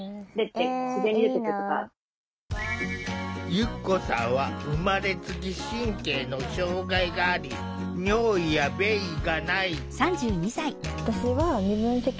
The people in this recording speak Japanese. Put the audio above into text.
ゆっこさんは生まれつき神経の障害があり尿意や便意がない。